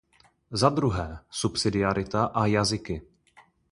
Za druhé, subsidiarita a jazyky.